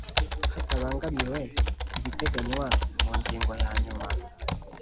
Hatabangamiwe ibiteganywa mu ngingo ya yanyuma